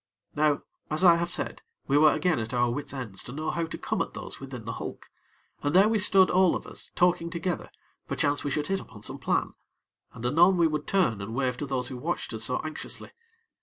Now, as I have said, we were again at our wits' ends to know how to come at those within the hulk, and there we stood all of us, talking together, perchance we should hit upon some plan, and anon we would turn and wave to those who watched us so anxiously.